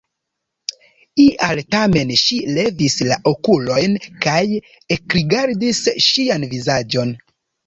Ial tamen ŝi levis la okulojn kaj ekrigardis ŝian vizaĝon.